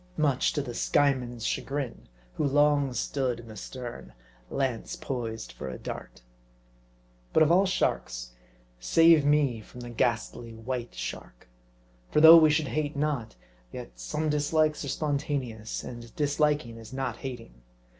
Much to the Skyeman's chagrin ; who long stood in the stern, lance poised for a dart. But of all sharks, save me from the ghastly White Shark. For though we should hate naught, yet some dislikes are spontaneous ^ and disliking is not hating.